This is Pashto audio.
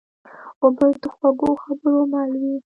اوبه د خوږو خبرو مل وي.